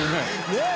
ねえ。